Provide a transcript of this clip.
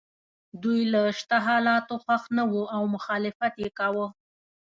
دوی له شته حالاتو خوښ نه وو او مخالفت یې کاوه.